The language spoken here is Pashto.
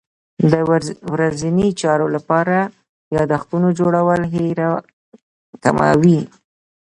د ورځني چارو لپاره یادښتونه جوړول هېره کمه وي.